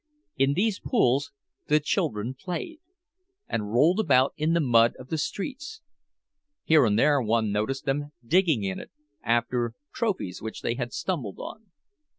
In these pools the children played, and rolled about in the mud of the streets; here and there one noticed them digging in it, after trophies which they had stumbled on.